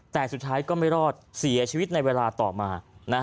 แต่สุดท้ายก็ไม่รอดเสียชีวิตในเวลาต่อมา